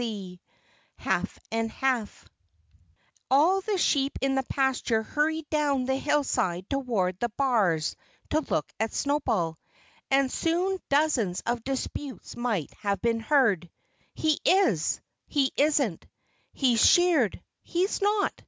XXIV HALF AND HALF All the sheep in the pasture hurried down the hillside toward the bars to look at Snowball. And soon dozens of disputes might have been heard: "He is!" "He isn't!" "He's sheared!" "He's not!"